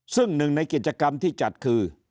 ซึ่งหนึ่งในกิจกรรมที่จัดคือ